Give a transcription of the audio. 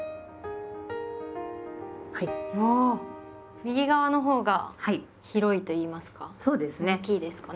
右側のほうが広いといいますか大きいですかね。